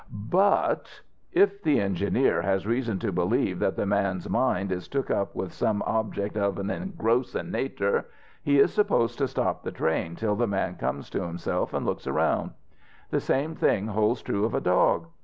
"But if the engineer has reason to believe that the man's mind is took up with some object of an engrossin' nater, he is supposed to stop the train till the man comes to himself an' looks around. The same thing holds true of a dog.